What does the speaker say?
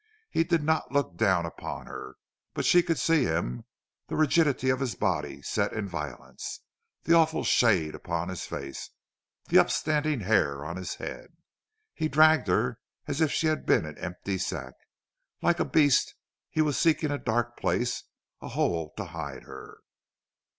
He did not look down upon her, but she could see him, the rigidity of his body set in violence, the awful shade upon his face, the upstanding hair on his head. He dragged her as if she had been an empty sack. Like a beast he was seeking a dark place a hole to hide her.